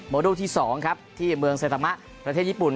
โดที่๒ครับที่เมืองเซตามะประเทศญี่ปุ่น